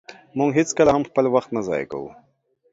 مونږ هيڅکله هم خپل وخت نه ضایع کوو.